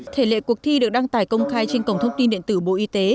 thể lệ cuộc thi được đăng tải công khai trên cổng thông tin điện tử bộ y tế